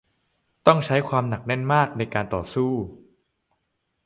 ต้องใช้ความหนักแน่นมากในการต่อสู้